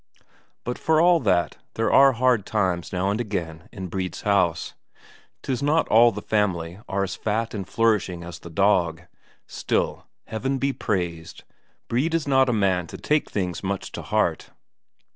But for all that there are hard times now and again in Brede's house; 'tis not all the family are as fat and flourishing as the dog. Still, Heaven be praised, Brede is not a man to take things much to heart.